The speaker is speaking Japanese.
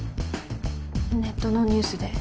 ネットのニュースで。